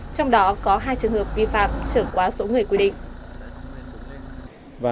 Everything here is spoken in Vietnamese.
trong đó có hai trường hợp vi phạm trở quá số người quy định